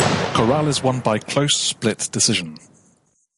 Corrales won by close split decision.